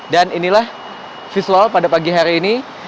dan inilah visual pada pagi hari ini